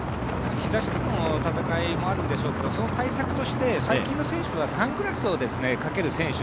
日ざしとの戦いもあるんでしょうけど、その対策として最近の選手はサングラスをかける選手が